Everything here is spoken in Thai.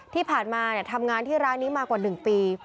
ที่ผ่านมาทำงานที่ร้านนี้มากว่า๑ปี